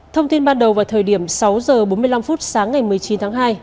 thông tin ban đầu vào thời điểm sáu h bốn mươi năm phút sáng ngày một mươi chín tháng hai